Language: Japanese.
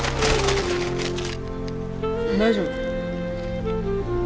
大丈夫？